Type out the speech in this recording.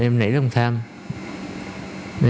em lấy đồng thang